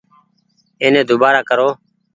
ايني ۮوبآرآ ڪرو ۔